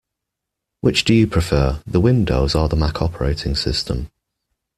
Which do you prefer: the Windows or the Mac operating system?